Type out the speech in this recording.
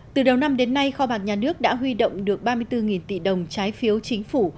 từ đầu năm đến nay kho bạc nhà nước đã huy động được ba mươi bốn tỷ đồng trái phiếu chính phủ